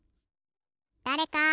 だれか！